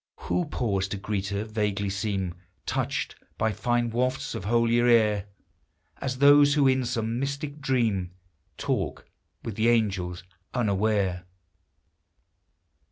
Who pause to greet her, vaguely seem Touched bv fine wafts of holier air; As those who in some mystic dream Talk with the angels unaware